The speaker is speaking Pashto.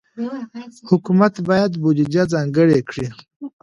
حکومت باید بودجه ځانګړې کړي.